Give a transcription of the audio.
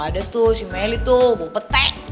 gak ada tuh si meli tuh mau petek